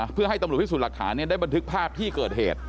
เพื่อให้ตำรวจพิสูจน์หลักฐานได้บันทึกภาพที่เกิดเหตุ